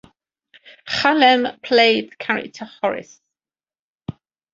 Chalem played the character Horace.